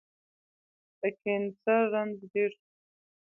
د کېنسر رنځ ډير سو